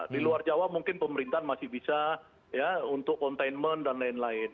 di luar jawa mungkin pemerintahan masih bisa ya untuk containment dan lain lain